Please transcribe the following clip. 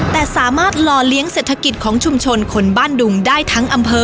แต่สามารถหล่อเลี้ยงเศรษฐกิจของชุมชนคนบ้านดุงได้ทั้งอำเภอ